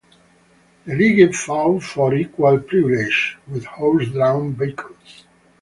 The League fought for equal privileges with horse-drawn vehicles.